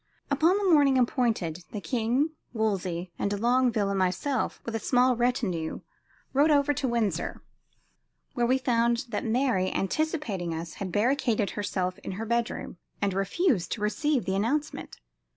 Upon the morning appointed, the king, Wolsey, de Longueville and myself, with a small retinue, rode over to Windsor, where we found that Mary, anticipating us, had barricaded herself in her bedroom and refused to receive the announcement.